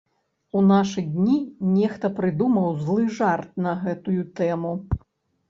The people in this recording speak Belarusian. У нашы дні нехта прыдумаў злы жарт на гэтую тэму.